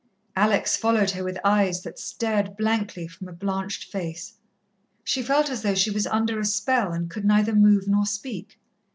Alex followed her with eyes that stared blankly from a blanched face. She felt as though she was under a spell and could neither move nor speak.